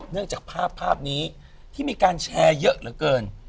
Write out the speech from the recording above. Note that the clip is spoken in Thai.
จากภาพนี้ที่มีการแชร์เยอะเหลือเกิน